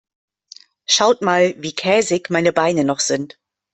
Schaut mal, wie käsig meine Beine noch sind.